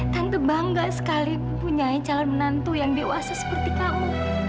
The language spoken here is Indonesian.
tentu bangga sekali punya calon menantu yang dewasa seperti kamu